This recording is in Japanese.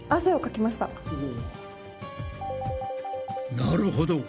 なるほど。